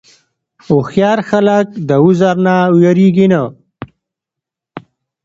هوښیار خلک د عذر نه وېرېږي نه.